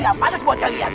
ini gak patah buat kalian